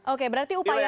oke berarti upaya